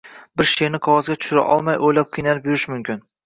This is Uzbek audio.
Bir she’rni qog‘ozga tushira olmay oylab qiynalib yurish mumkin